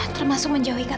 termasuk menjauh ke taufan